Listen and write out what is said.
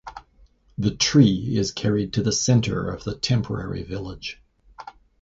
The tree is carried to the center of the temporary village.